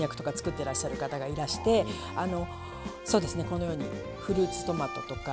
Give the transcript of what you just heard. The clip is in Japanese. てらっしゃる方がいらしてこのようにフルーツトマトとか。